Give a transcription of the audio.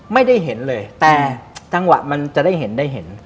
ไม่ได้เห็นเลยแต่จังหวะมันจะได้เห็นได้เห็น